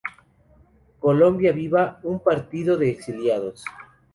Colombia Viva, un partido de exiliados.